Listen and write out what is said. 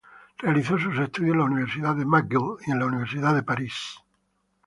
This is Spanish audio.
Realizó sus estudios en la Universidad de McGill y en la Universidad de París.